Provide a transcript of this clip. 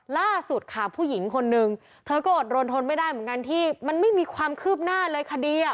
ล่าสุดค่ะผู้หญิงคนนึงเธอก็อดรนทนไม่ได้เหมือนกันที่มันไม่มีความคืบหน้าเลยคดีอ่ะ